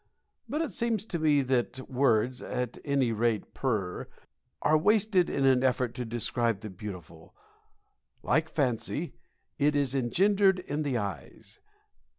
But it seems to me that words (at any rate per) are wasted in an effort to describe the beautiful. Like fancy, "It is engendered in the eyes."